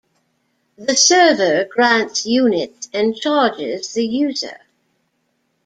The server grants units and charges the user.